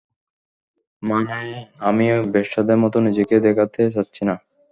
মানে আমি বেশ্যাদের মতো নিজেকে দেখাতে চাচ্ছি না।